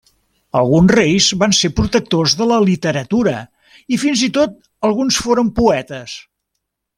Alguns reis van ser protectors de la literatura i fins i tot alguns foren poetes.